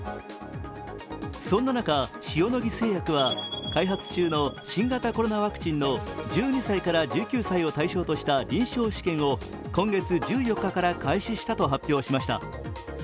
そんな中、塩野義製薬は開発中の新型コロナワクチンの１２歳から１９歳を対象とした臨床試験を今月１４日から開始したと発表しました。